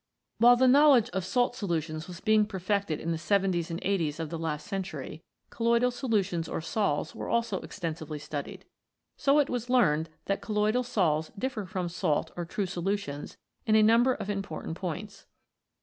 While the knowledge of salt solutions was being perfected in the 'seventies and 'eighties of the last century, colloidal solutions or sols were also extensively studied. So it was learned that colloidal sols differ from salt or true solutions in a number of important points.